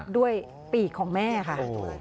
ด้วยปีกของแม่ค่ะ